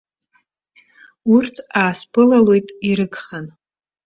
Урҭ аасԥылалоит ирыгхан.